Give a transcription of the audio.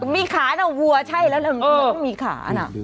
มีขาน่ะวัวใช่แล้วมีขาน่ะ